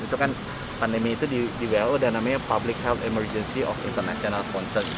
itu kan pandemi itu di who dan namanya public health emergency of international concern